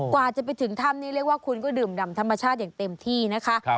กว่าจะไปถึงถ้ำนี้เรียกว่าคุณก็ดื่มดำธรรมชาติอย่างเต็มที่นะคะ